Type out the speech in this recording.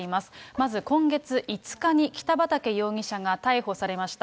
まず今月５日に北畠容疑者が逮捕されました。